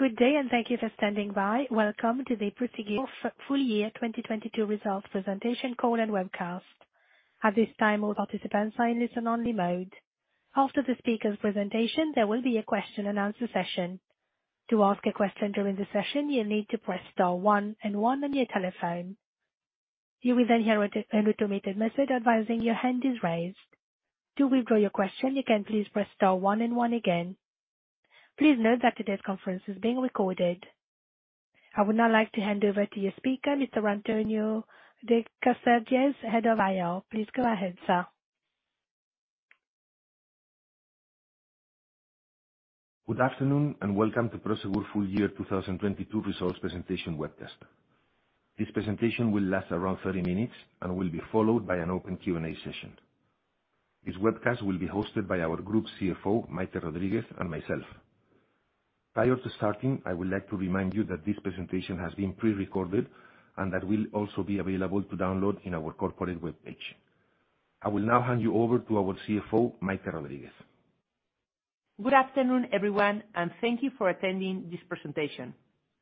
Good day, and thank you for standing by. Welcome to the Prosegur Full Year 2022 Results Presentation Call and Webcast. At this time, all participants are in listen-only mode. After the speaker's presentation, there will be a question-and-answer session. To ask a question during the session, you'll need to press star one and one on your telephone. You will then hear an automated message advising your hand is raised. To withdraw your question, you can please press star one and one again. Please note that today's conference is being recorded. I would now like to hand over to your speaker, Mr. Antonio de Cárcer, Head of IR. Please go ahead, sir. Good afternoon, welcome to Prosegur Full Year 2022 Results Presentation Webcast. This presentation will last around 30 minutes and will be followed by an open Q&A session. This webcast will be hosted by our Group CFO, Maite Rodríguez, and myself. Prior to starting, I would like to remind you that this presentation has been pre-recorded, and it will also be available to download in our corporate webpage. I will now hand you over to our CFO, Maite Rodríguez. Good afternoon, everyone. Thank you for attending this presentation.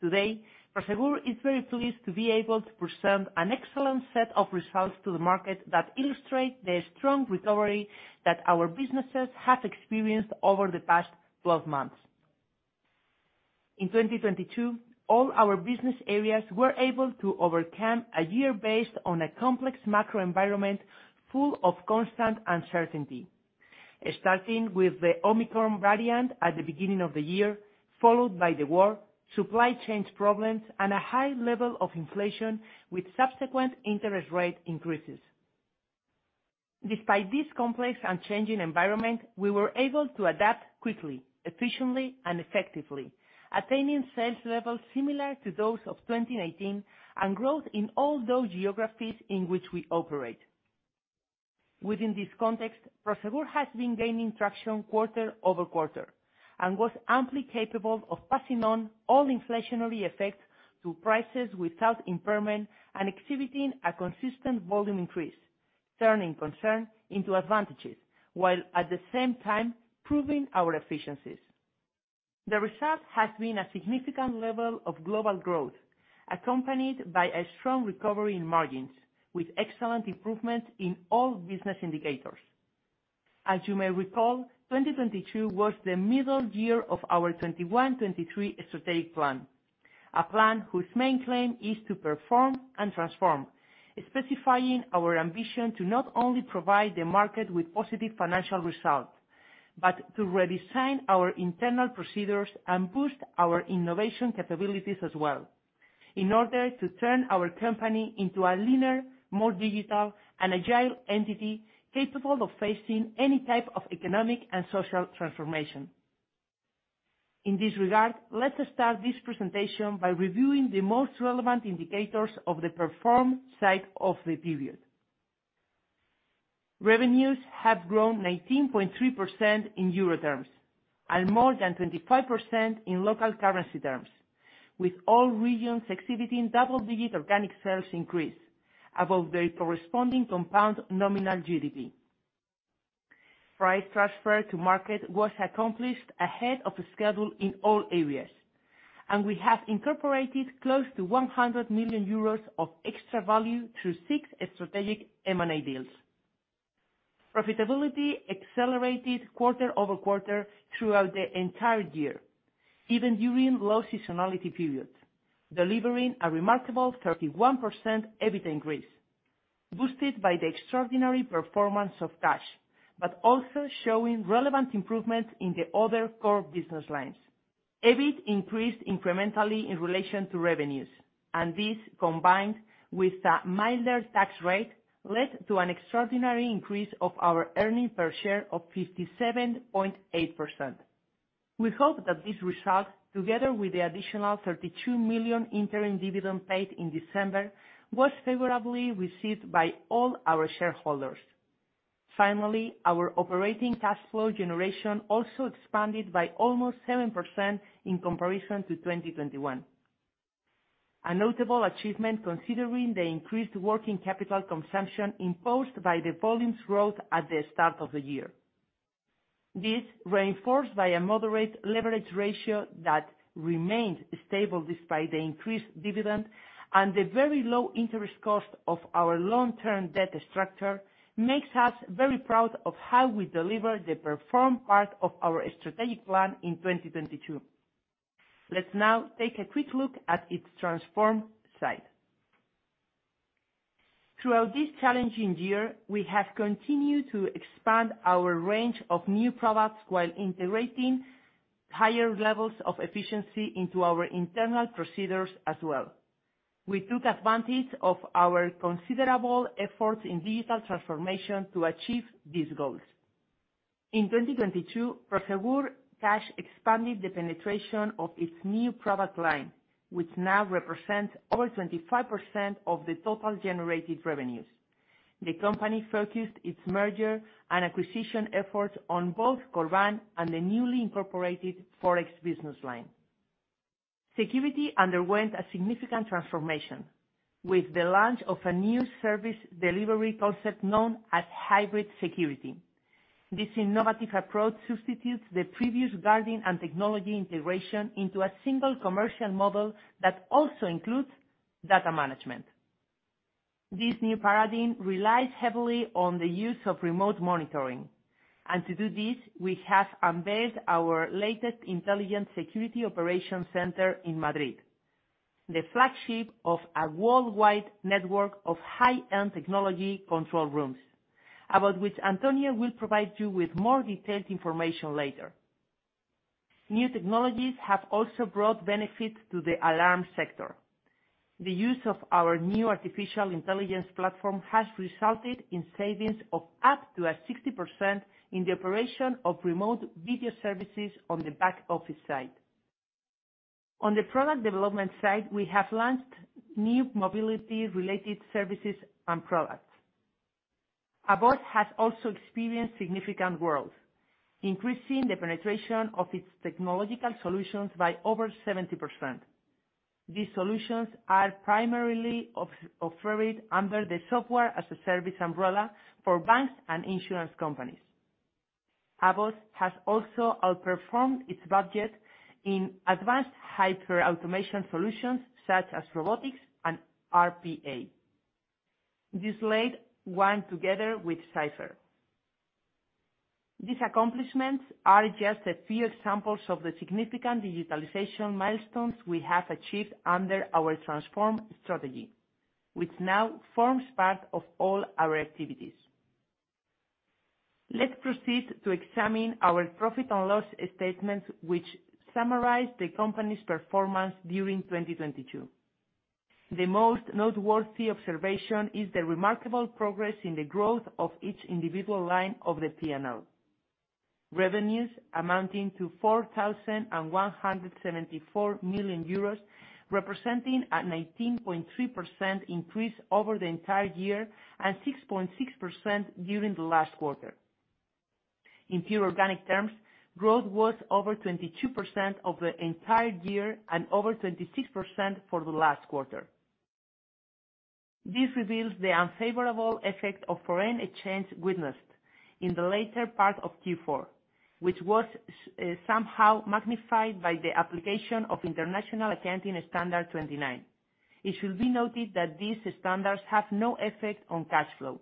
Today, Prosegur is very pleased to be able to present an excellent set of results to the market that illustrate the strong recovery that our businesses have experienced over the past 12 months. In 2022, all our business areas were able to overcome a year based on a complex macro environment full of constant uncertainty. Starting with the Omicron variant at the beginning of the year, followed by the war, supply chain problems, and a high level of inflation, with subsequent interest rate increases. Despite this complex and changing environment, we were able to adapt quickly, efficiently, and effectively, attaining sales levels similar to those of 2019 and growth in all those geographies in which we operate. Within this context, Prosegur has been gaining traction quarter-over-quarter and was amply capable of passing on all inflationary effects to prices without impairment and exhibiting a consistent volume increase, turning concern into advantages, while at the same time proving our efficiencies. The result has been a significant level of global growth, accompanied by a strong recovery in margins with excellent improvement in all business indicators. As you may recall, 2022 was the middle year of our 2021-2023 strategic plan. A plan whose main claim is to perform and transform, specifying our ambition to not only provide the market with positive financial results, but to redesign our internal procedures and boost our innovation capabilities as well, in order to turn our company into a leaner, more digital and agile entity capable of facing any type of economic and social transformation. In this regard, let us start this presentation by reviewing the most relevant indicators of the performance side of the period. Revenues have grown 19.3% in EUR terms and more than 25% in local currency terms, with all regions exhibiting double-digit organic sales increases above the corresponding compound nominal GDP. Price transfer to the market was accomplished ahead of schedule in all areas, and we have incorporated close to 100 million euros of extra value through six strategic M&A deals. Profitability accelerated quarter-over-quarter throughout the entire year, even during low seasonality periods, delivering a remarkable 31% EBIT increase, boosted by the extraordinary performance of cash, but also showing relevant improvements in the other core business lines. EBIT increased incrementally in relation to revenues; this, combined with a milder tax rate, led to an extraordinary increase of our earnings per share of 57.8%. We hope that this result, together with the additional 32 million interim dividend paid in December, was favorably received by all our shareholders. Our operating cash flow generation also expanded by almost 7% in comparison to 2021. A notable achievement considering the increased working capital consumption imposed by the volume growth at the start of the year. This, reinforced by a moderate leverage ratio that remained stable despite the increased dividend and the very low interest cost of our long-term debt structure, makes us very proud of how we delivered the performance part of our strategic plan in 2022. Let's now take a quick look at its transform side. Throughout this challenging year, we have continued to expand our range of new products while integrating higher levels of efficiency into our internal procedures as well. We took advantage of our considerable efforts in digital transformation to achieve these goals. In 2022, Prosegur Cash expanded the penetration of its new product line, which now represents over 25% of the total generated revenues. The company focused its merger and acquisition efforts on both Corban and the newly incorporated Forex business line. Security underwent a significant transformation with the launch of a new service delivery concept known as Hybrid Security. This innovative approach substitutes the previous guarding and technology integration into a single commercial model that also includes data management. This new paradigm relies heavily on the use of remote monitoring. To do this, we have unveiled our latest Intelligent Security Operations Center in Madrid, the flagship of a worldwide network of high-end technology control rooms, about which Antonio will provide you with more detailed information later. New technologies have also brought benefits to the alarm sector. The use of our new artificial intelligence platform has resulted in savings of up to a 60% in the operation of remote video services on the back office side. On the product development side, we have launched new mobility-related services and products. AVOS has also experienced significant growth, increasing the penetration of its technological solutions by over 70%. These solutions are primarily offered under the Software as a Service umbrella for banks and insurance companies. AVOS has also outperformed its budget in advanced hyperautomation solutions such as robotics and RPA. This laid one together with Cipher. These accomplishments are just a few examples of the significant digitalization milestones we have achieved under our transform strategy, which now forms part of all our activities. Let's proceed to examine our profit and loss statement, which summarizes the company's performance during 2022. The most noteworthy observation is the remarkable progress in the growth of each individual line of the P&L. Revenues amounting to 4,174 million euros, representing a 19.3% increase over the entire year and 6.6% during the last quarter. In pure organic terms, growth was over 22% of the entire year and over 26% for the last quarter. This reveals the unfavorable effect of foreign exchange witnessed in the later part of Q4, which was somehow magnified by the application of International Accounting Standard 29. It should be noted that these standards have no effect on cash flow.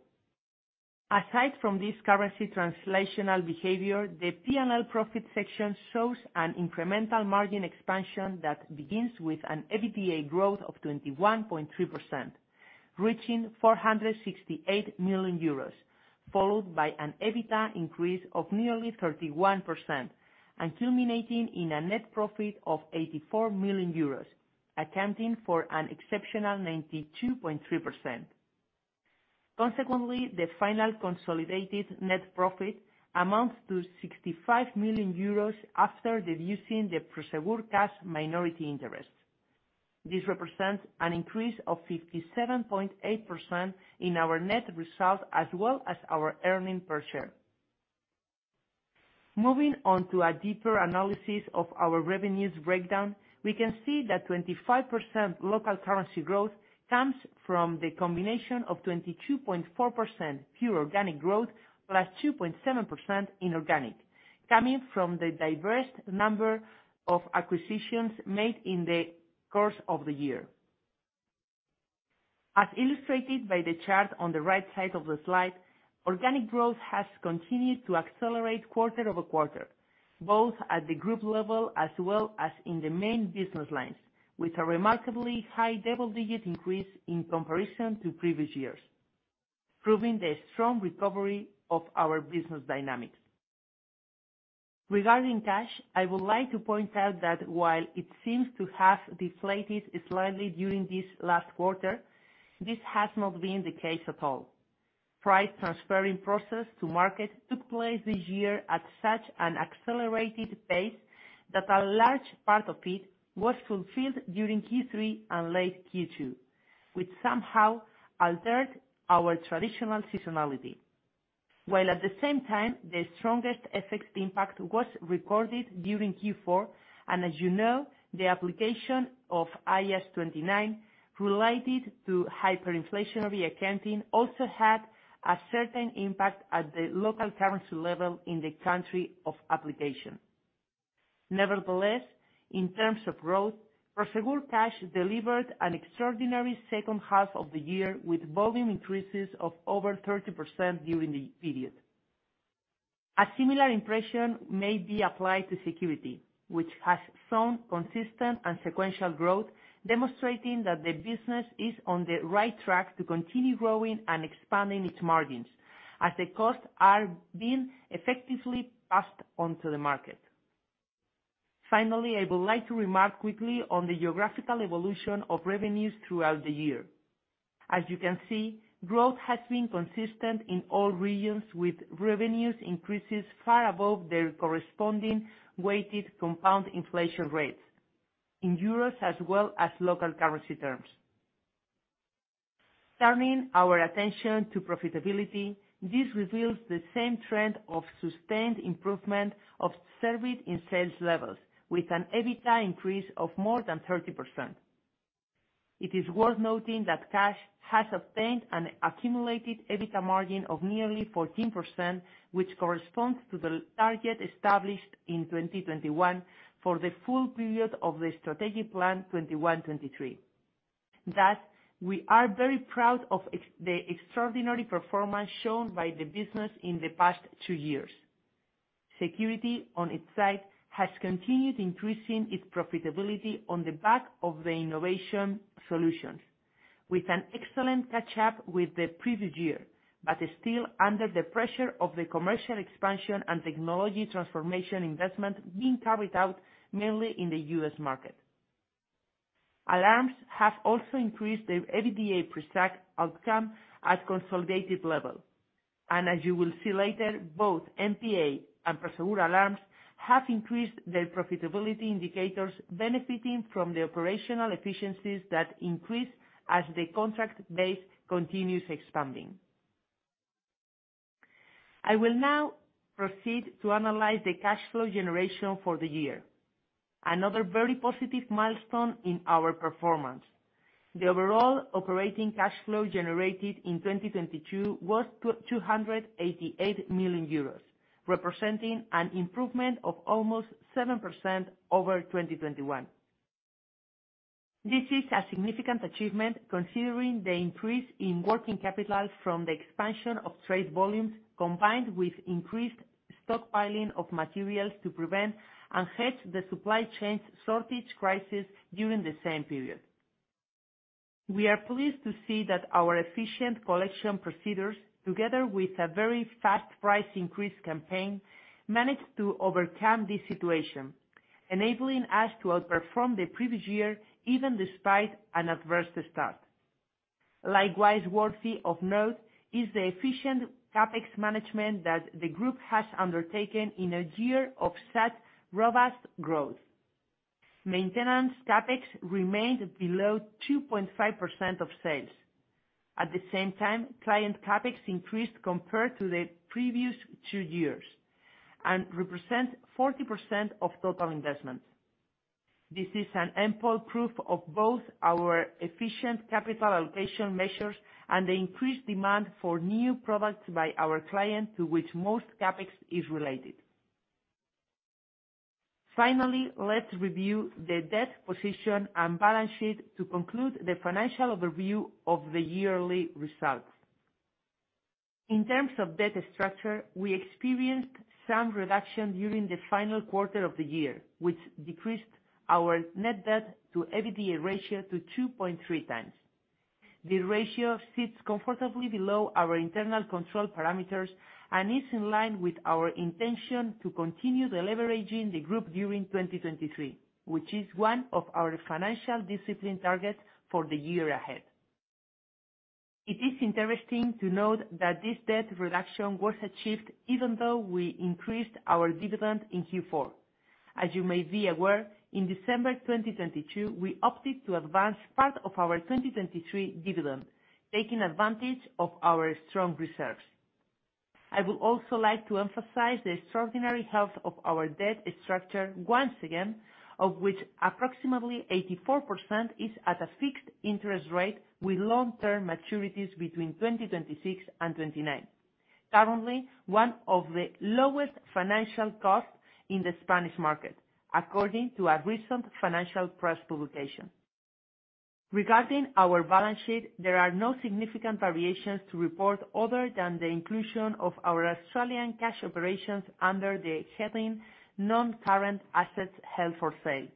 Aside from this currency translational behavior, the P&L profit section shows an incremental margin expansion that begins with an EBITDA growth of 21.3%, reaching 468 million euros, followed by an EBITDA increase of nearly 31% and culminating in a net profit of 84 million euros, accounting for an exceptional 92.3%. Consequently, the final consolidated net profit amounts to 65 million euros after deducing the Prosegur Cash minority interest. This represents an increase of 57.8% in our net results, as well as our earnings per share. Moving on to a deeper analysis of our revenue breakdown, we can see that 25% local currency growth comes from the combination of 22.4% pure organic growth, +2.7% inorganic, coming from the diverse number of acquisitions made in the course of the year. As illustrated by the chart on the right side of the slide, organic growth has continued to accelerate quarter-over-quarter, both at the group level as well as in the main business lines, with a remarkably high double-digit increase in comparison to previous years, proving the strong recovery of our business dynamics. Regarding cash, I would like to point out that while it seems to have deflated slightly during this last quarter, this has not been the case at all. Price transferring process to market took place this year at such an accelerated pace that a large part of it was fulfilled during Q3 and late Q2, which somehow altered our traditional seasonality. While at the same time, the strongest FX impact was recorded during Q4. As you know, the application of IAS 29 related to hyperinflationary accounting also had a certain impact at the local currency level in the country of application. Nevertheless, in terms of growth, Prosegur Cash delivered an extraordinary second half of the year, with volume increases of over 30% during the period. A similar impression may be applied to security, which has shown consistent and sequential growth, demonstrating that the business is on the right track to continue growing and expanding its margins as the costs are being effectively passed on to the market. Finally, I would like to remark quickly on the geographical evolution of revenues throughout the year. As you can see, growth has been consistent in all regions, with revenues increases far above their corresponding weighted compound inflation rates in euros, as well as local currency terms. Turning our attention to profitability, this reveals the same trend of sustained improvement observed in sales levels, with an EBITDA increase of more than 30%. It is worth noting that Cash has obtained an accumulated EBITDA margin of nearly 14%, which corresponds to the target established in 2021 for the full period of the strategic plan 2021-2023. Thus, we are very proud of the extraordinary performance shown by the business in the past 2 years. Security, on its side, has continued increasing its profitability on the back of the innovation solutions, with an excellent catch-up with the previous year, but is still under the pressure of the commercial expansion and technology transformation investment being carried out mainly in the U.S. market. Prosegur Alarms has also increased their EBITDA pre-SAC outcome at consolidated level. As you will see later, both NPA and Prosegur Alarms have increased their profitability indicators, benefiting from the operational efficiencies that increase as the contract base continues expanding. I will now proceed to analyze the cash flow generation for the year, another very positive milestone in our performance. The overall operating cash flow generated in 2022 was 288 million euros, representing an improvement of almost 7% over 2021. This is a significant achievement considering the increase in working capital from the expansion of trade volumes, combined with increased stockpiling of materials to prevent and hedge the supply chain shortage crisis during the same period. We are pleased to see that our efficient collection procedures, together with a very fast price increase campaign, managed to overcome this situation, enabling us to outperform the previous year, even despite an adverse start. Likewise worthy of note is the efficient CapEx management that the group has undertaken in a year of such robust growth. Maintenance CapEx remained below 2.5% of sales. At the same time, client CapEx increased compared to the previous 2 years and represents 40% of total investments. This is an ample proof of both our efficient capital allocation measures and the increased demand for new products by our client to which most CapEx is related. Finally, let's review the debt position and balance sheet to conclude the financial overview of the yearly results. In terms of debt structure, we experienced some reduction during the final quarter of the year, which decreased our net debt to EBITDA ratio to 2.3x. The ratio sits comfortably below our internal control parameters and is in line with our intention to continue deleveraging the group during 2023, which is one of our financial discipline targets for the year ahead. It is interesting to note that this debt reduction was achieved even though we increased our dividend in Q4. As you may be aware, in December 2022, we opted to advance part of our 2023 dividend, taking advantage of our strong reserves. I would also like to emphasize the extraordinary health of our debt structure once again, of which approximately 84% is at a fixed interest rate with long-term maturities between 2026 and 2029. Currently, one of the lowest financial costs in the Spanish market, according to a recent financial press publication. Regarding our balance sheet, there are no significant variations to report other than the inclusion of our Australian cash operations under the heading Non-Current Assets Held for Sale.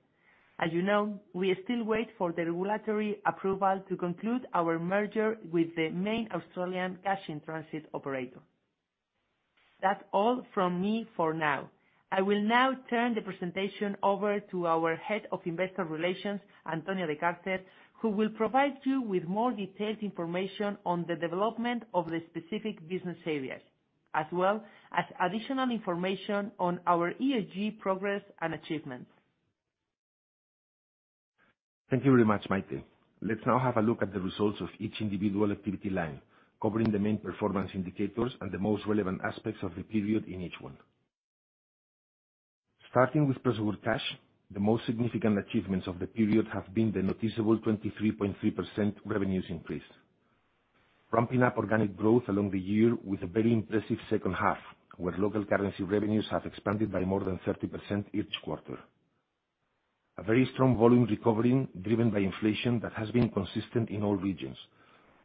As you know, we still wait for the regulatory approval to conclude our merger with the main Australian cash-in-transit operator. That's all from me for now. I will now turn the presentation over to our Head of Investor Relations, Antonio de Cárcer, who will provide you with more detailed information on the development of the specific business areas, as well as additional information on our ESG progress and achievements. Thank you very much, Maite. Let's now have a look at the results of each individual activity line, covering the main performance indicators and the most relevant aspects of the period in each one. Starting with Prosegur Cash, the most significant achievements of the period have been the noticeable 23.3% revenues increase, ramping up organic growth along the year with a very impressive second half, where local currency revenues have expanded by more than 30% each quarter. A very strong volume recovery driven by inflation that has been consistent in all regions,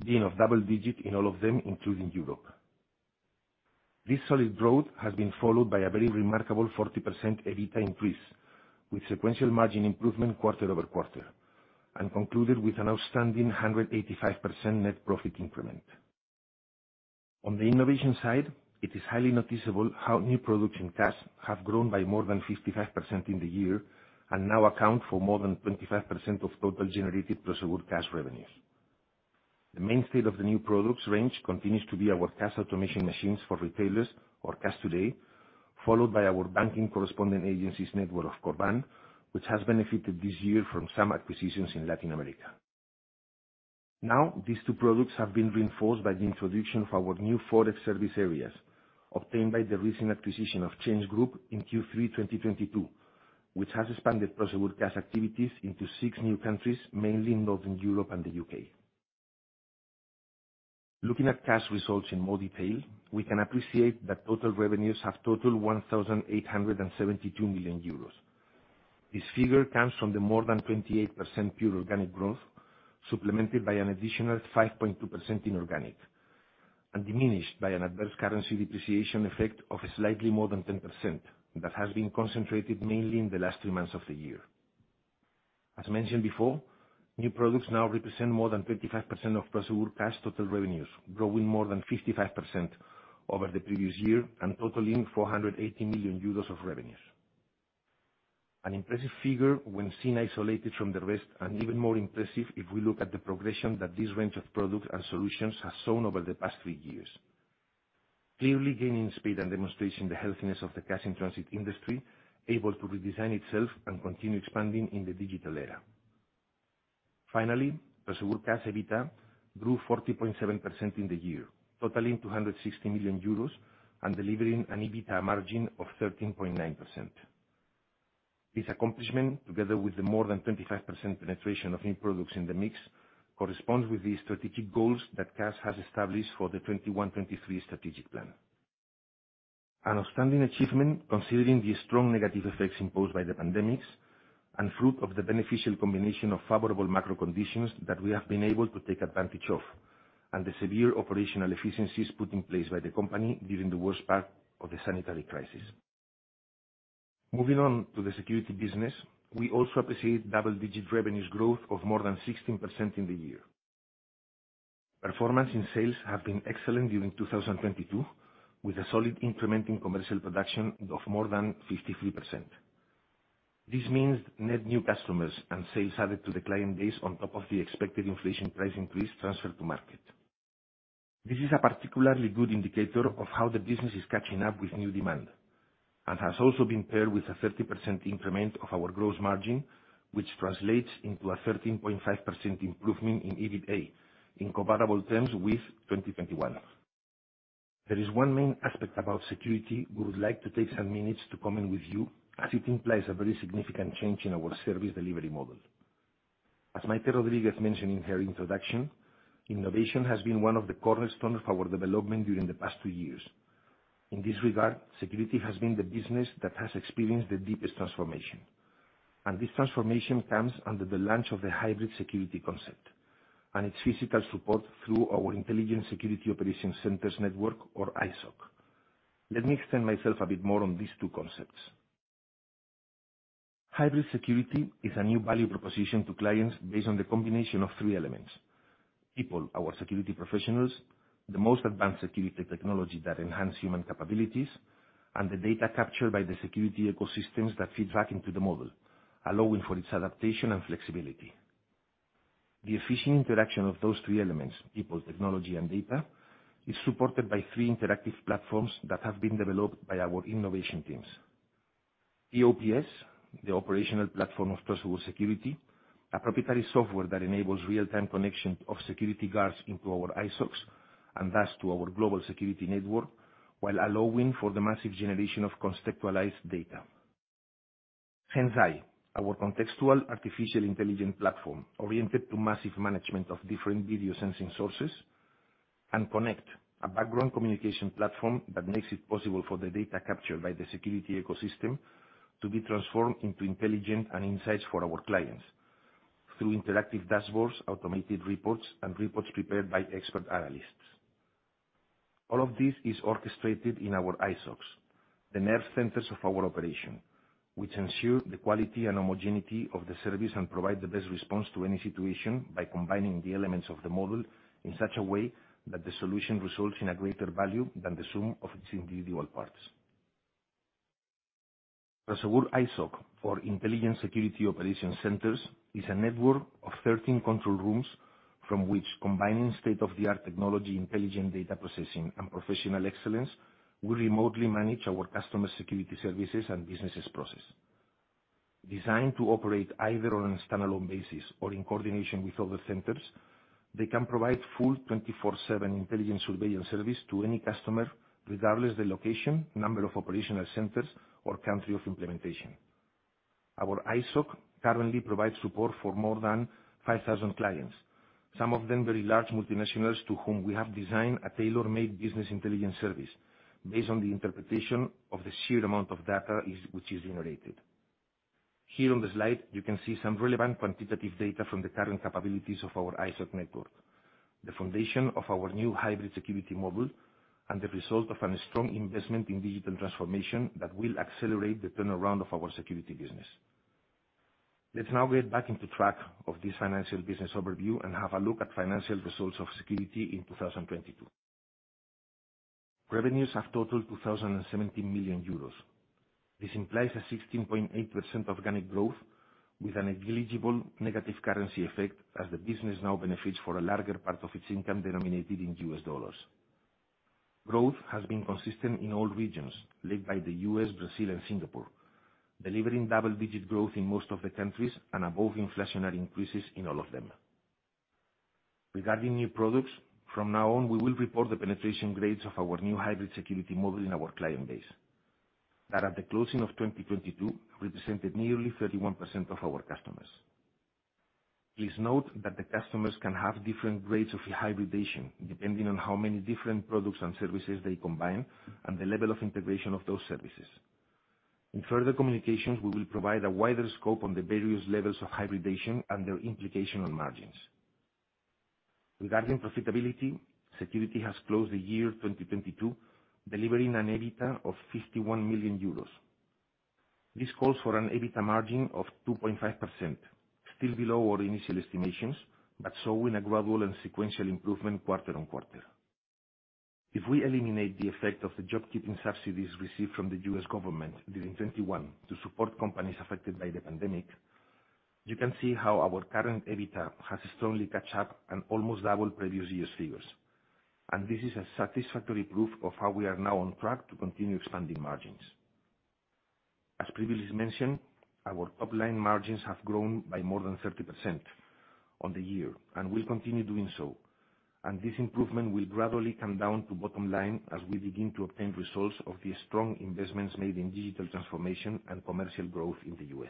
being of double-digit in all of them, including Europe. This solid growth has been followed by a very remarkable 40% EBITDA increase, with sequential margin improvement quarter-over-quarter, and concluded with an outstanding 185% net profit increment. On the innovation side, it is highly noticeable how new products in Prosegur Cash have grown by more than 55% in the year and now account for more than 25% of total generated Prosegur Cash revenues. The mainstay of the new products range continues to be our cash automation machines for retailers or Cash Today, followed by our banking correspondent agencies network of Prosegur Corban, which has benefited this year from some acquisitions in Latin America. These two products have been reinforced by the introduction of our new FX service areas, obtained by the recent acquisition of ChangeGroup in Q3 2022, which has expanded Prosegur Cash activities into six new countries, mainly in Northern Europe and the U.K. Looking at Prosegur Cash results in more detail, we can appreciate that total revenues have totaled 1,872 million euros. This figure comes from the more than 28% pure organic growth, supplemented by an additional 5.2% inorganic, and diminished by an adverse currency depreciation effect of slightly more than 10% that has been concentrated mainly in the last 3 months of the year. As mentioned before, new products now represent more than 35% of Prosegur Cash total revenues, growing more than 55% over the previous year and totaling 480 million euros of revenues. An impressive figure when seen isolated from the rest, and even more impressive if we look at the progression that this range of products and solutions has shown over the past 3 years. Clearly gaining speed and demonstrating the healthiness of the cash in transit industry, able to redesign itself and continue expanding in the digital era. Prosegur Cash EBITDA grew 40.7% in the year, totaling 260 million euros and delivering an EBITDA margin of 13.9%. This accomplishment, together with the more than 25% penetration of new products in the mix, corresponds with the strategic goals that Cash has established for the 2021-2023 strategic plan. An outstanding achievement considering the strong negative effects imposed by the pandemic and fruit of the beneficial combination of favorable macro conditions that we have been able to take advantage of, and the severe operational efficiencies put in place by the company during the worst part of the sanitary crisis. Moving on to the Security business, we also appreciate double-digit revenues growth of more than 16% in the year. Performance in sales have been excellent during 2022, with a solid increment in commercial production of more than 53%. This means net new customers and sales added to the client base on top of the expected inflation price increase transferred to market. This is a particularly good indicator of how the business is catching up with new demand, and has also been paired with a 30% increment of our gross margin, which translates into a 13.5% improvement in EBITA in comparable terms with 2021. There is one main aspect about security we would like to take some minutes to comment with you, as it implies a very significant change in our service delivery model. As Maite Rodríguez mentioned in her introduction, innovation has been one of the cornerstones of our development during the past two years. In this regard, security has been the business that has experienced the deepest transformation. This transformation comes under the launch of the Hybrid Security concept and its physical support through our Intelligent Security Operations Centers network, or ISOC. Let me extend myself a bit more on these two concepts. Hybrid Security is a new value proposition to clients based on the combination of three elements. People, our security professionals, the most advanced security technology that enhance human capabilities, and the data captured by the security ecosystems that feed back into the model, allowing for its adaptation and flexibility. The efficient interaction of those three elements, people, technology, and data, is supported by three interactive platforms that have been developed by our innovation teams. POPS, the operational platform of Prosegur Security, a proprietary software that enables real-time connection of security guards into our iSOCs and thus to our global security network, while allowing for the massive generation of conceptualized data. GenzAI, our contextual artificial intelligence platform oriented to massive management of different video sensing sources. Connect, a background communication platform that makes it possible for the data captured by the security ecosystem to be transformed into intelligent and insights for our clients through interactive dashboards, automated reports, and reports prepared by expert analysts. All of this is orchestrated in our iSOCs, the nerve centers of our operation, which ensure the quality and homogeneity of the service and provide the best response to any situation by combining the elements of the model in such a way that the solution results in a greater value than the sum of its individual parts. Prosegur iSOC, or Intelligent Security Operations Centers, is a network of 13 control rooms from which combining state-of-the-art technology, intelligent data processing, and professional excellence, we remotely manage our customer security services and businesses process. Designed to operate either on a standalone basis or in coordination with other centers, they can provide full 24/7 intelligent surveillance service to any customer, regardless the location, number of operational centers, or country of implementation. Our iSOC currently provides support for more than 5,000 clients, some of them very large multinationals to whom we have designed a tailor-made business intelligence service based on the interpretation of the sheer amount of data which is generated. Here on the slide, you can see some relevant quantitative data from the current capabilities of our ISOC network, the foundation of our new Hybrid Security model and the result of a strong investment in digital transformation that will accelerate the turnaround of our security business. Let's now get back into track of this financial business overview and have a look at financial results of security in 2022. Revenues have totaled 2,017 million euros. This implies a 16.8% organic growth with a negligible negative currency effect as the business now benefits for a larger part of its income denominated in US dollars. Growth has been consistent in all regions, led by the U.S., Brazil, and Singapore, delivering double-digit growth in most of the countries and above inflationary increases in all of them. Regarding new products, from now on, we will report the penetration grades of our new Hybrid Security model in our client base, that at the closing of 2022 represented nearly 31% of our customers. Please note that the customers can have different grades of hybridation, depending on how many different products and services they combine and the level of integration of those services. In further communications, we will provide a wider scope on the various levels of hybridation and their implication on margins. Regarding profitability, Security has closed the year 2022 delivering an EBITDA of 51 million euros. This calls for an EBITDA margin of 2.5%, still below our initial estimations, showing a gradual and sequential improvement quarter-on-quarter. If we eliminate the effect of the job-keeping subsidies received from the U.S. government during 2021 to support companies affected by the pandemic, you can see how our current EBITDA has strongly caught up and almost doubled previous years' figures. This is a satisfactory proof of how we are now on track to continue expanding margins. As previously mentioned, our top-line margins have grown by more than 30% on the year and will continue doing so. This improvement will gradually come down to bottom line as we begin to obtain results of the strong investments made in digital transformation and commercial growth in the U.S.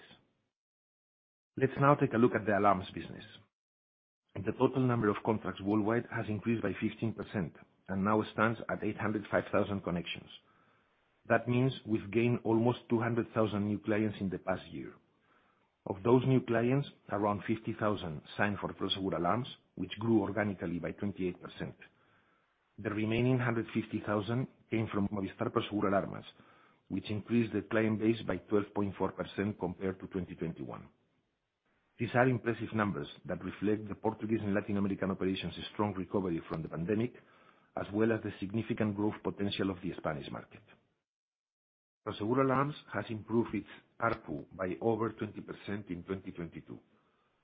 Let's now take a look at the Alarms business. The total number of contracts worldwide has increased by 15% and now stands at 805,000 connections. That means we've gained almost 200,000 new clients in the past year. Of those new clients, around 50,000 signed for Prosegur Alarms, which grew organically by 28%. The remaining 150,000 came from Movistar Prosegur Alarmas, which increased the client base by 12.4% compared to 2021. These are impressive numbers that reflect the Portuguese and Latin American operations' strong recovery from the pandemic, as well as the significant growth potential of the Spanish market. Prosegur Alarms has improved its ARPU by over 20% in 2022,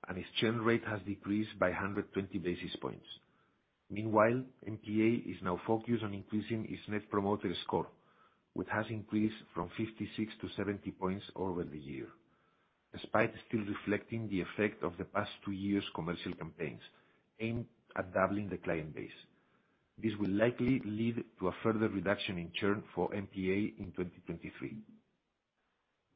and its churn rate has decreased by 120 basis points. Meanwhile, MPA is now focused on increasing its Net Promoter Score, which has increased from 56 to 70 points over the year, despite still reflecting the effect of the past two years' commercial campaigns aimed at doubling the client base. This will likely lead to a further reduction in churn for MPA in 2023.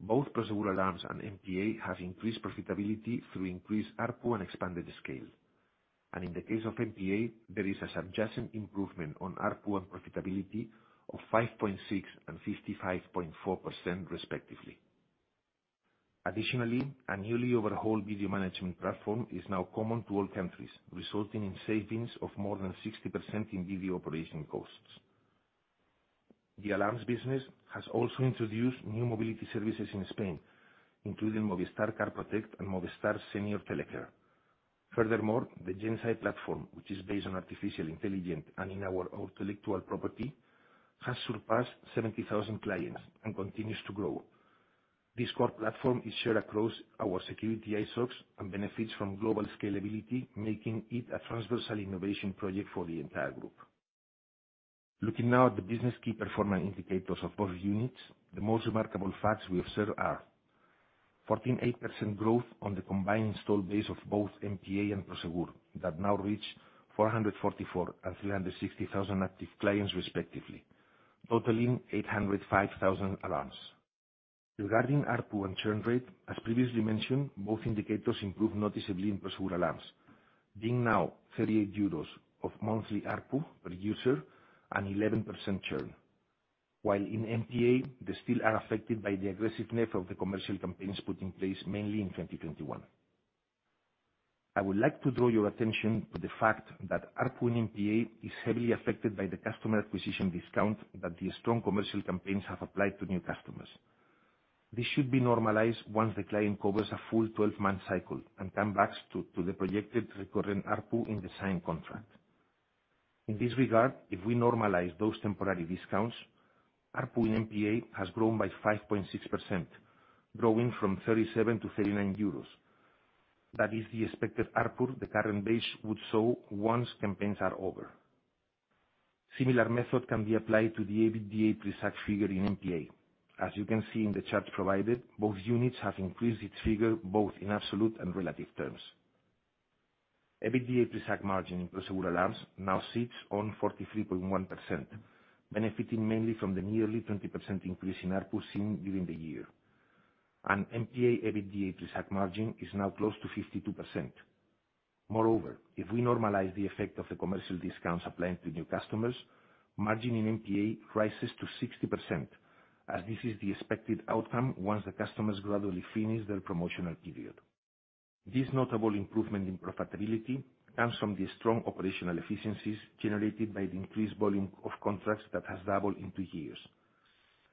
Both Prosegur Alarms and MPA have increased profitability through increased ARPU and expanded scale. In the case of MPA, there is a adjacent improvement on ARPU and profitability of 5.6 and 55.4% respectively. Additionally, a newly overhauled video management platform is now common to all countries, resulting in savings of more than 60% in video operation costs. The alarms business has also introduced new mobility services in Spain, including Movistar Car Protect and Movistar Senior Telecare. The GenzAI platform, which is based on artificial intelligence and in our intellectual property, has surpassed 70,000 clients and continues to grow. This core platform is shared across our Security iSOCs and benefits from global scalability, making it a transversal innovation project for the entire group. Looking now at the business key performance indicators of both units, the most remarkable facts we observe are 14.8% growth on the combined installed base of both MPA and Prosegur, that now reach 444 and 360,000 active clients respectively, totaling 805,000 alarms. Regarding ARPU and churn rate, as previously mentioned, both indicators improved noticeably in Prosegur Alarms, being now 38 euros of monthly ARPU per user and 11% churn. In MPA, they still are affected by the aggressiveness of the commercial campaigns put in place mainly in 2021. I would like to draw your attention to the fact that ARPU in MPA is heavily affected by the customer acquisition discount that the strong commercial campaigns have applied to new customers. This should be normalized once the client covers a full 12-month cycle and comes back to the projected recurring ARPU in the signed contract. In this regard, if we normalize those temporary discounts, ARPU in MPA has grown by 5.6%, growing from 37 to 39 euros. That is the expected ARPU the current base would show once campaigns are over. Similar method can be applied to the EBITDA pre-SAC figure in MPA. As you can see in the chart provided, both units have increased its figure, both in absolute and relative terms. EBITDA pre-SAC margin in Prosegur Alarms now sits on 43.1%, benefiting mainly from the nearly 20% increase in ARPUs seen during the year. MPA EBITDA pre-SAC margin is now close to 52%. Moreover, if we normalize the effect of the commercial discounts applied to new customers, margin in MPA rises to 60%, as this is the expected outcome once the customers gradually finish their promotional period. This notable improvement in profitability comes from the strong operational efficiencies generated by the increased volume of contracts that has doubled in 2 years.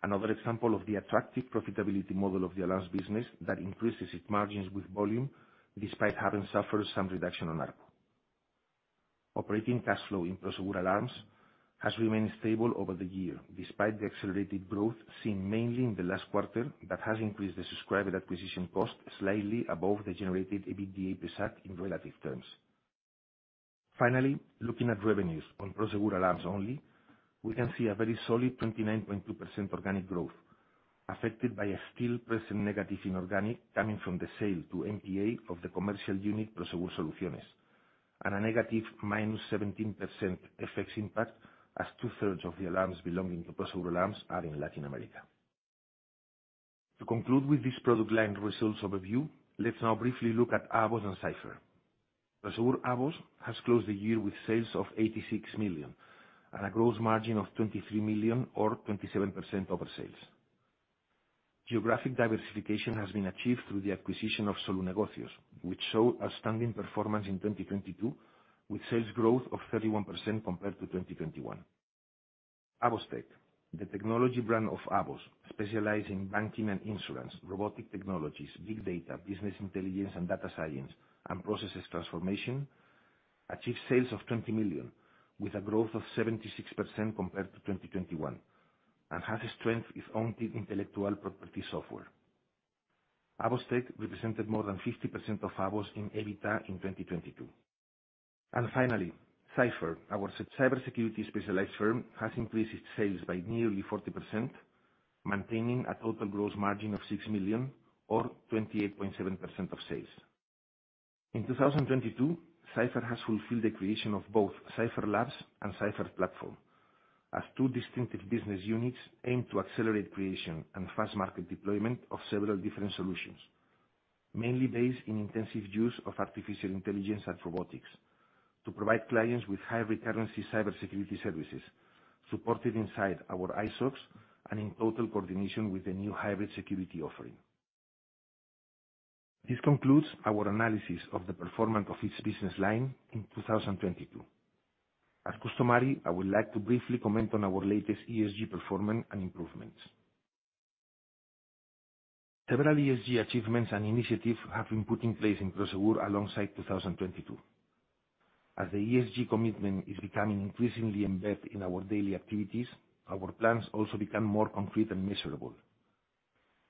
Another example of the attractive profitability model of the alarms business that increases its margins with volume, despite having suffered some reduction on ARPU. Operating cash flow in Prosegur Alarms has remained stable over the year, despite the accelerated growth seen mainly in the last quarter, that has increased the subscriber acquisition cost slightly above the generated EBITDA pre-SAC in relative terms. Looking at revenues on Prosegur Alarms only, we can see a very solid 29.2% organic growth, affected by a still present negative inorganic coming from the sale to MPA of the commercial unit, Prosegur Soluciones, and a -17% FX impact, as 2/3 of the alarms belonging to Prosegur Alarms are in Latin America. To conclude with this product line results overview, let's now briefly look at AVOS and Cipher. Prosegur AVOS has closed the year with sales of 86 million, and a gross margin of 23 million or 27% over sales. Geographic diversification has been achieved through the acquisition of Solunegocios, which show outstanding performance in 2022, with sales growth of 31% compared to 2021. AVOS Tech, the technology brand of AVOS, specialize in banking and insurance, robotic technologies, big data, business intelligence, and data science, and processes transformation, achieve sales of 20 million, with a growth of 76% compared to 2021, and has strength its own intellectual property software. AVOS Tech represented more than 50% of AVOS in EBITDA in 2022. Finally, Cipher, our cyber security specialized firm, has increased its sales by nearly 40%, maintaining a total gross margin of 6 million or 28.7% of sales. In 2022, Cipher has fulfilled the creation of both Cipher Labs and Cipher Platform as two distinctive business units aimed to accelerate creation and fast market deployment of several different solutions, mainly based in intensive use of artificial intelligence and robotics to provide clients with high recurrency cybersecurity services supported inside our iSOCs and in total coordination with the new Hybrid Security offering. This concludes our analysis of the performance of each business line in 2022. As customary, I would like to briefly comment on our latest ESG performance and improvements. Several ESG achievements and initiatives have been put in place in Prosegur alongside 2022. As the ESG commitment is becoming increasingly embedded in our daily activities, our plans also become more concrete and measurable.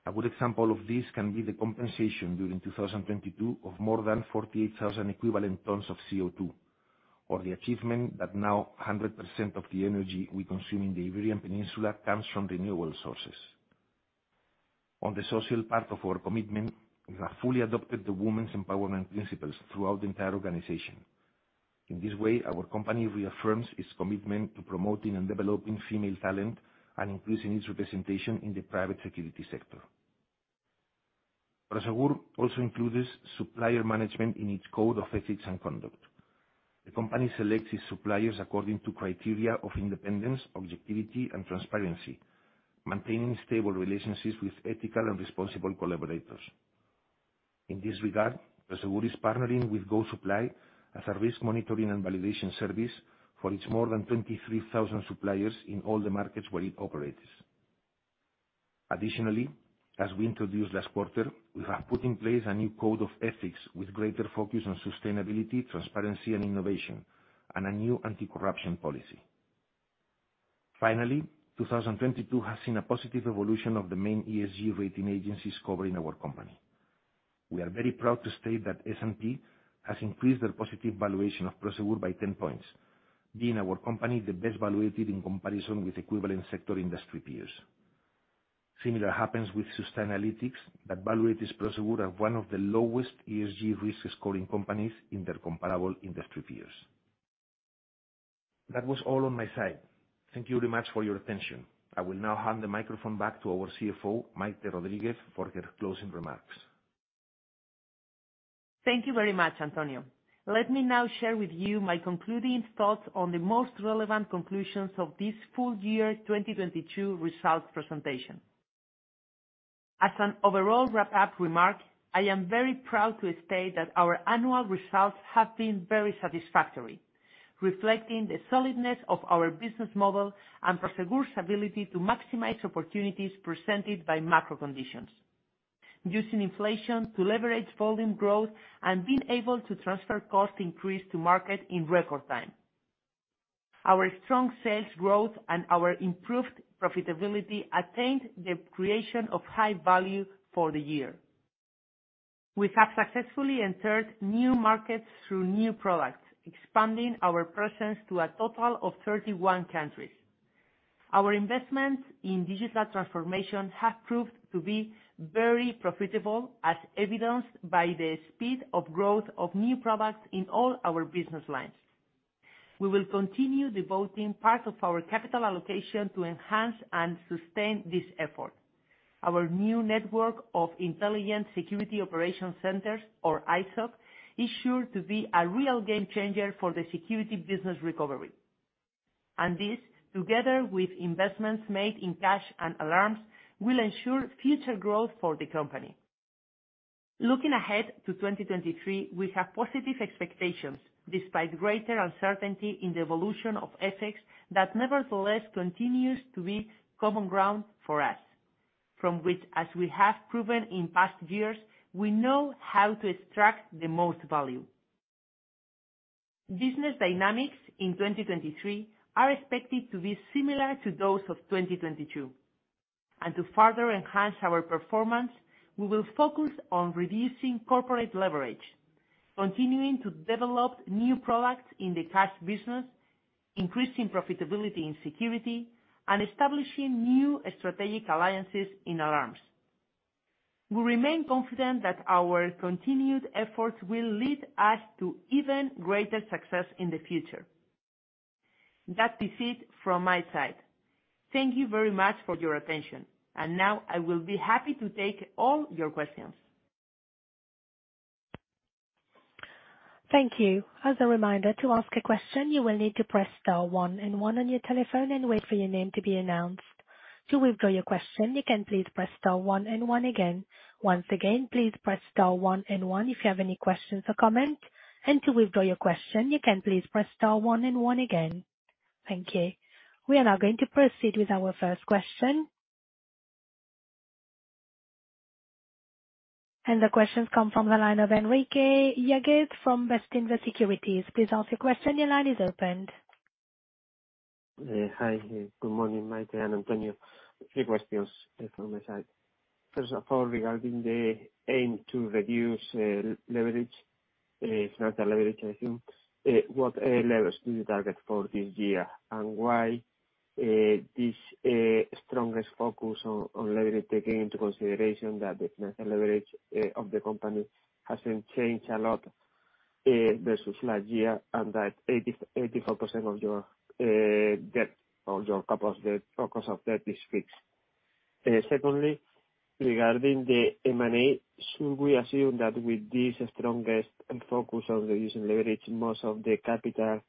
A good example of this can be the compensation during 2022 of more than 48,000 equivalent tons of CO₂ or the achievement that now 100% of the energy we consume in the Iberian Peninsula comes from renewable sources. On the social part of our commitment, we have fully adopted the Women's Empowerment Principles throughout the entire organization. In this way, our company reaffirms its commitment to promoting and developing female talent and increasing its representation in the private security sector. Prosegur also includes supplier management in its code of ethics and conduct. The company selects its suppliers according to criteria of independence, objectivity, and transparency, maintaining stable relationships with ethical and responsible collaborators. In this regard, Prosegur is partnering with GoSupply as a risk monitoring and validation service for its more than 23,000 suppliers in all the markets where it operates. Additionally, as we introduced last quarter, we have put in place a new code of ethics with greater focus on sustainability, transparency, and innovation, and a new anti-corruption policy. 2022 has seen a positive evolution of the main ESG rating agencies covering our company. We are very proud to state that S&P has increased their positive valuation of Prosegur by 10 points, being our company the best valuated in comparison with equivalent sector industry peers. Similar happens with Sustainalytics, that values Prosegur as one of the lowest ESG risk scoring companies in their comparable industry peers. That was all on my side. Thank you very much for your attention. I will now hand the microphone back to our CFO, Maite Rodríguez, for her closing remarks. Thank you very much, Antonio. Let me now share with you my concluding thoughts on the most relevant conclusions of this full year 2022 results presentation. As an overall wrap-up remark, I am very proud to state that our annual results have been very satisfactory, reflecting the solidness of our business model and Prosegur's ability to maximize opportunities presented by macro conditions, using inflation to leverage volume growth and being able to transfer cost increase to market in record time. Our strong sales growth and our improved profitability attained the creation of high value for the year. We have successfully entered new markets through new products, expanding our presence to a total of 31 countries. Our investment in digital transformation have proved to be very profitable, as evidenced by the speed of growth of new products in all our business lines. We will continue devoting part of our capital allocation to enhance and sustain this effort. Our new network of intelligent security operation centers, or iSOC, is sure to be a real game changer for the security business recovery. This, together with investments made in cash and alarms, will ensure future growth for the company. Looking ahead to 2023, we have positive expectations, despite greater uncertainty in the evolution of FX that nevertheless continues to be common ground for us, from which, as we have proven in past years, we know how to extract the most value. Business dynamics in 2023 are expected to be similar to those of 2022. To further enhance our performance, we will focus on reducing corporate leverage, continuing to develop new products in the cash business, increasing profitability and security, and establishing new strategic alliances in alarms. We remain confident that our continued efforts will lead us to even greater success in the future. That is it from my side. Thank you very much for your attention. Now I will be happy to take all your questions. Thank you. As a reminder, to ask a question, you will need to press star one and one on your telephone and wait for your name to be announced. To withdraw your question, you can please press star one and one again. Once again, please press star one and one if you have any questions or comments. To withdraw your question, you can please press star one and one again. Thank you. We are now going to proceed with our first question. The question's come from the line of Enrique Yágüez from Bestinver Securities. Please ask your question. Your line is open. Hi. Good morning, Maite and Antonio. Three questions from my side. First of all, regarding the aim to reduce leverage, financial leverage, I assume. What levels do you target for this year? Why this strongest focus on leverage, taking into consideration that the financial leverage of the company hasn't changed a lot versus last year, and that 80%-84% of your debt, or your couple of debt, focus of debt is fixed. Secondly, regarding the M&A, should we assume that with this strongest focus on reducing leverage, most of the capital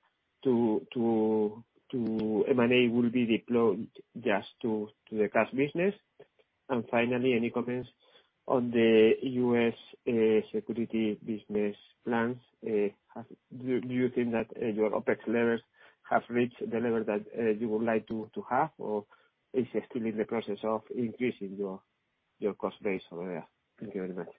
to M&A will be deployed just to the cash business? Finally, any comments on the US security business plans? Do you think that your OpEx levels have reached the level that you would like to have, or is it still in the process of increasing your cost base over there? Thank you very much.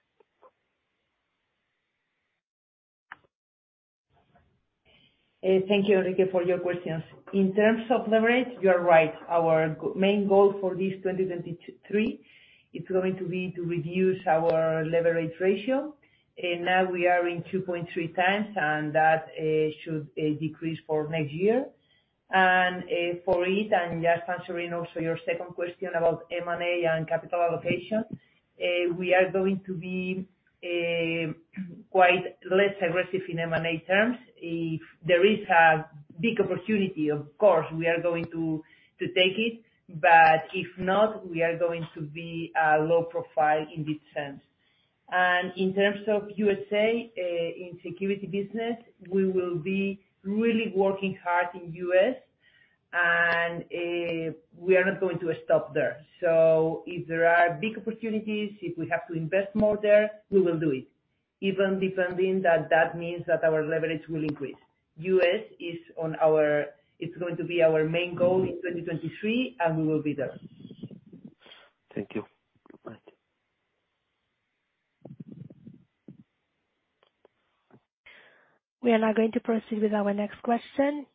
Thank you, Enrique Yágüez, for your questions. In terms of leverage, you're right. Our main goal for this 2023 is going to be to reduce our leverage ratio. Now we are in 2.3x, and that should decrease for next year. For it, and just answering also your second question about M&A and capital allocation, we are going to be quite less aggressive in M&A terms. If there is a big opportunity, of course, we are going to take it. If not, we are going to be low profile in this sense. In terms of USA, in security business, we will be really working hard in US, and we are not going to stop there. If there are big opportunities, if we have to invest more there, we will do it. Even if that means that our leverage will increase. It's going to be our main goal in 2023. We will be there. Thank you. Bye. We are now going to proceed with our next question.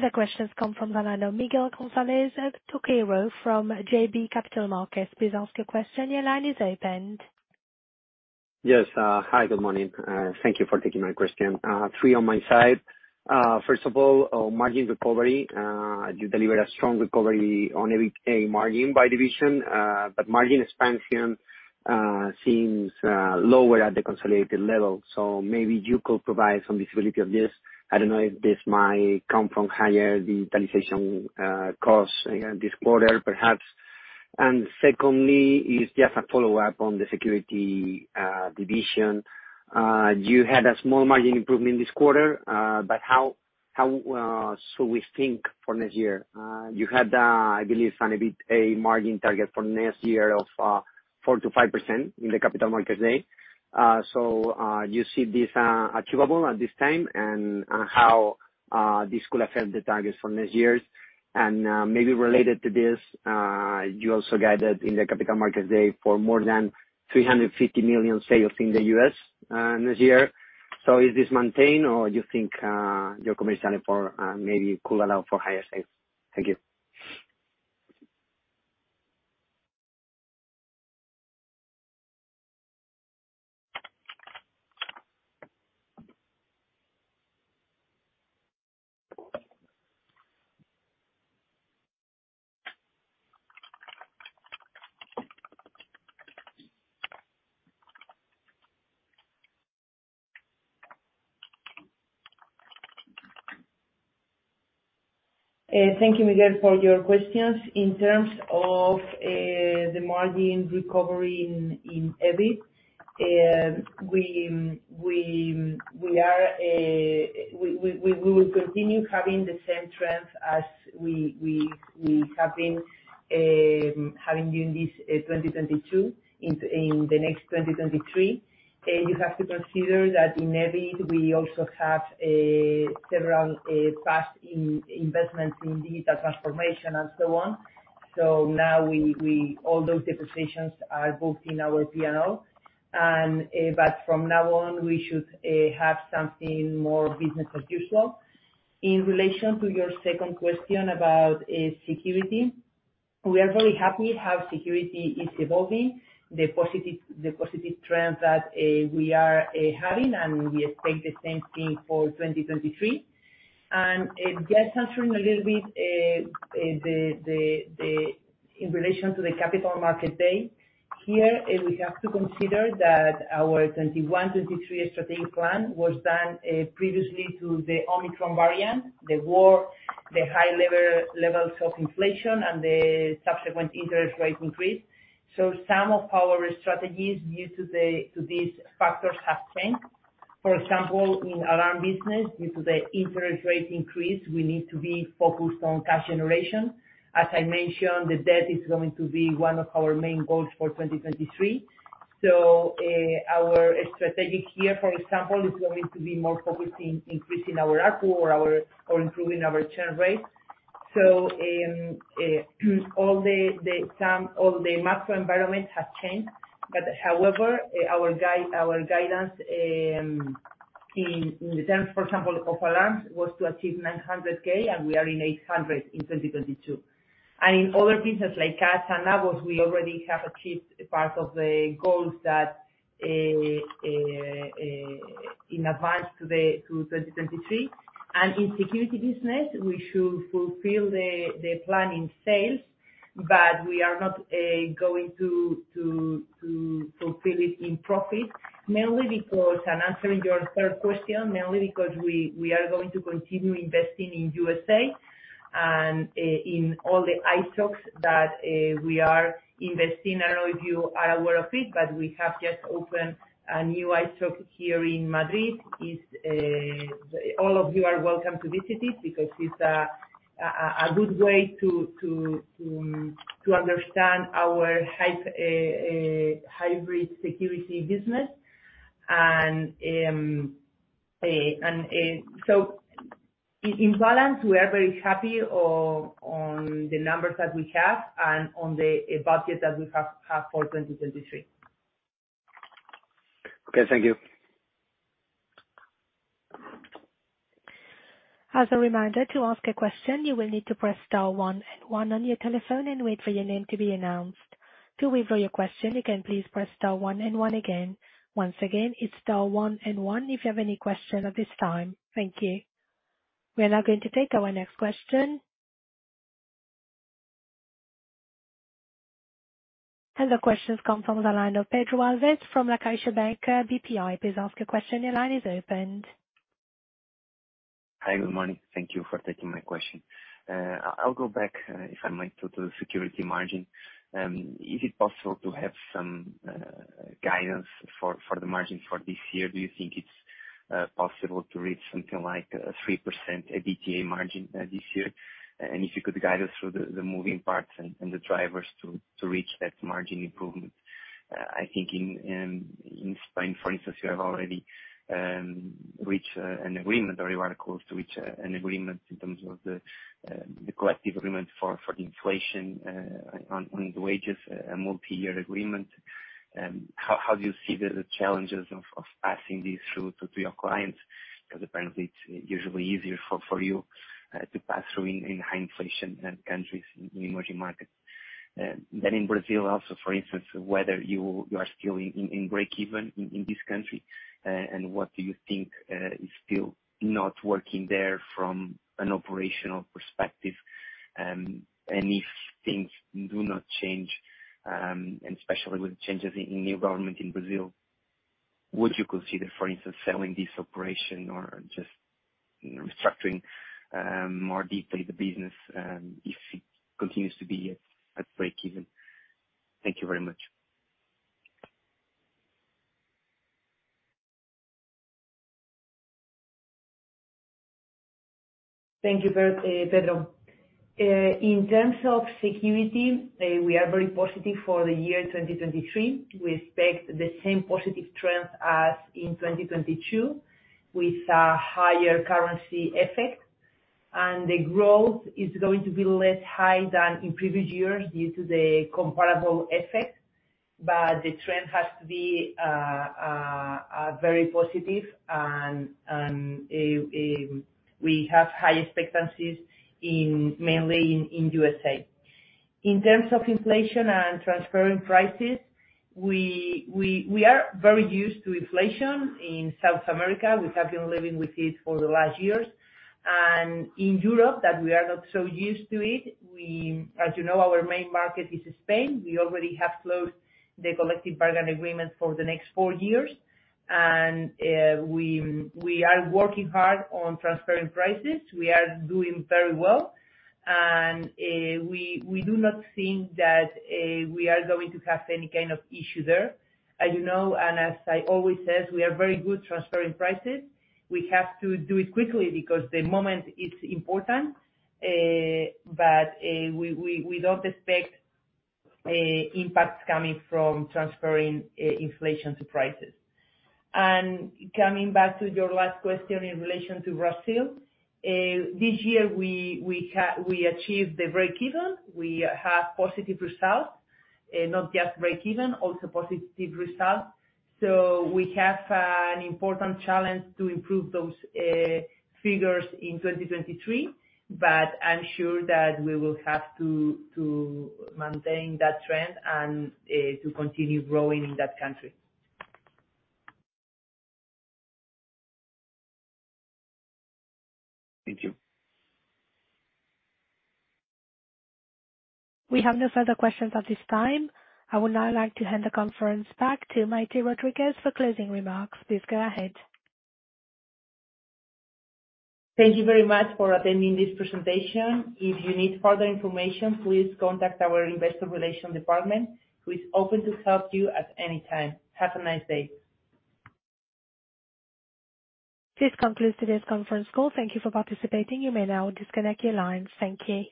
The question's come from the line of Miguel González Toquero from JB Capital Markets. Please ask your question. Your line is open. Yes. Hi, good morning. Thank you for taking my question. Three on my side. First of all, on margin recovery, you delivered a strong recovery on EBITA margin by division, but margin expansion seems lower at the consolidated level. Maybe you could provide some visibility of this. I don't know if this might come from higher digitalization costs this quarter, perhaps. Secondly is just a follow-up on the Security division. You had a small margin improvement this quarter, but how should we think for next year? You had, I believe, some EBITA margin target for next year of 4%-5% in the Capital Markets Day. You see this achievable at this time, and how this could affect the targets for next year? Maybe related to this, you also guided in the Capital Markets Day for more than 350 million sales in the US next year. Is this maintained, or you think your commercial effort maybe could allow for higher sales? Thank you. Thank you, Miguel, for your questions. In terms of the margin recovery in EBIT, we will continue having the same trends as we have been having during this 2022 in the next 2023. You have to consider that in EBIT, we also have several past investments in digital transformation and so on. So now all those depreciations are both in our P&L. From now on we should have something more business as usual. In relation to your second question about security, we are very happy how security is evolving, the positive trends that we are having, and we expect the same thing for 2023. Just answering a little bit. In relation to the Capital Markets Day. Here, we have to consider that our 21/23 strategic plan was done previously to the Omicron variant, the war, the high levels of inflation and the subsequent interest rate increase. Some of our strategies due to these factors have changed. For example, in Alarms business, due to the interest rate increase, we need to be focused on cash generation. As I mentioned, the debt is going to be one of our main goals for 2023. Our strategy here, for example, is going to be more focused in increasing our ARPU or improving our churn rate. All the macro environment has changed. However, our guidance in terms, for example, of alarms was to achieve 900,000 and we are in 800,000 in 2022. In other business like Cash and AVOS, we already have achieved part of the goals that in advance to 2023. In security business we should fulfill the plan in sales, we are not going to fulfill it in profit. Mainly because, I'm answering your third question, mainly because we are going to continue investing in USA and in all the iSOCs that we are investing. I don't know if you are aware of it, we have just opened a new iSOC here in Madrid. It's, all of you are welcome to visit it because it's a good way to understand our Hybrid Security business. In balance, we are very happy on the numbers that we have and on the budget that we have for 2023. Okay. Thank you. As a reminder, to ask a question you will need to press star one and one on your telephone and wait for your name to be announced. To withdraw your question, again please press star one and one again. Once again, it's star one and one if you have any question at this time. Thank you. We are now going to take our next question. The question comes from the line of Pedro Alves from CaixaBank BPI. Please ask your question. Your line is opened. Hi. Good morning. Thank you for taking my question. I'll go back, if I might, to the security margin. Is it possible to have some guidance for the margin for this year? Do you think it's possible to reach something like a 3% EBITDA margin this year? If you could guide us through the moving parts and the drivers to reach that margin improvement. I think in Spain, for instance, you have already reached an agreement or you are close to reach an agreement in terms of the collective agreement for the inflation on the wages, a multi-year agreement. How do you see the challenges of passing this through to your clients? Apparently it's usually easier for you to pass through in high inflation countries in emerging markets. In Brazil also, for instance, whether you are still in breakeven in this country, and what do you think is still not working there from an operational perspective? If things do not change, and especially with changes in new government in Brazil, would you consider, for instance, selling this operation or just restructuring more deeply the business if it continues to be at breakeven? Thank you very much. Thank you Pedro. In terms of security, we are very positive for the year 2023. We expect the same positive trend as in 2022 with a higher currency effect. The growth is going to be less high than in previous years due to the comparable effect. The trend has to be very positive and we have high expectancies mainly in USA. In terms of inflation and transferring prices, we are very used to inflation in South America. We have been living with it for the last years. In Europe that we are not so used to it our main market is Spain. We already have closed the collective bargain agreement for the next four years. We are working hard on transferring prices. We are doing very well. We do not think that we are going to have any issue there. As you know and as I always say, we are very good transferring prices. We have to do it quickly because the moment is important, but we don't expect impact coming from transferring inflation to prices. Coming back to your last question in relation to Brazil, this year we achieved the breakeven. We have positive results. Not just breakeven, also positive results. We have an important challenge to improve those figures in 2023, but I'm sure that we will have to maintain that trend and to continue growing in that country. Thank you. We have no further questions at this time. I would now like to hand the conference back to Maite Rodríguez for closing remarks. Please go ahead. Thank you very much for attending this presentation. If you need further information, please contact our Investor Relations department, who is open to help you at any time. Have a nice day. This concludes today's conference call. Thank you for participating. You may now disconnect your lines. Thank you.